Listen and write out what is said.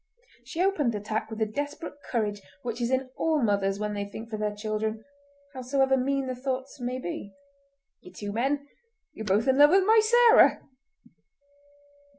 She opened the attack with the desperate courage which is in all mothers when they think for their children, howsoever mean the thoughts may be. "Ye two men, ye're both in love with my Sarah!"